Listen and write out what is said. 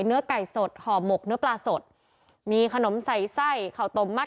เนื้อไก่สดห่อหมกเนื้อปลาสดมีขนมใส่ไส้ขาวตมมัด